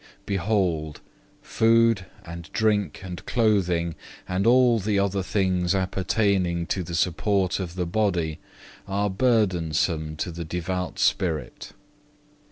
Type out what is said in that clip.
4. Behold, food and drink and clothing, and all the other needs appertaining to the support of the body, are burdensome to the devout spirit.